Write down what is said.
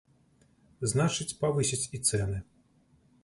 Значыць, павысяць і цэны.